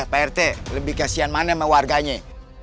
pak rt lebih kasihan mana sama warganya